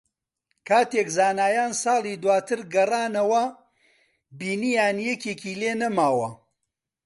کاتێک زانایان ساڵی داواتر گەڕانەوە، بینییان یەکێکی لێ نەماوە